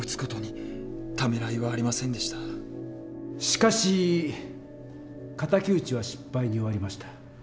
しかし敵討ちは失敗に終わりました。